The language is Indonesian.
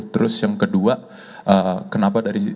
terus yang kedua kenapa dari